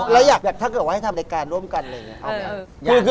แล้วอยากถ้าเกิดว่าให้ทำรายการร่วมกันเลย